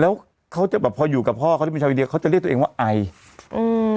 แล้วเขาจะแบบพออยู่กับพ่อเขาจะเป็นชาวอินเดียเขาจะเรียกตัวเองว่าไออืม